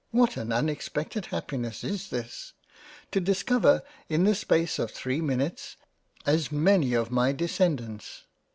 What an unexpected Happiness is this ! to discover in the space of 3 minutes, as many of my Descendants